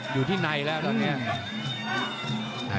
อยู่ที่ในแล้วตอนนี้